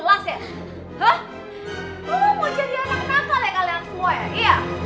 mau jadi anak kenal kali kalian tua ya iya